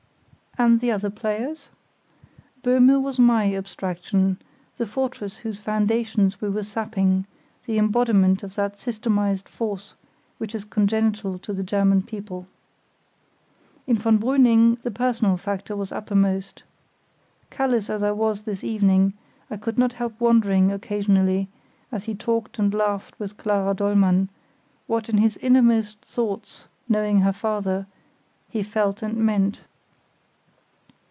And the other players? Böhme was my abstraction, the fortress whose foundations we were sapping, the embodiment of that systematised force which is congenital to the German people. In von Brüning, the personal factor was uppermost. Callous as I was this evening, I could not help wondering occasionally, as he talked and laughed with Clara Dollmann, what in his innermost thoughts, knowing her father, he felt and meant.